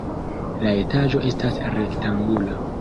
La etaĝo estas rektangula.